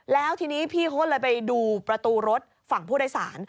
แล้วทีนี้พี่เขาก็เลยไปดูประตูรถฝั่งผู้โดยสาร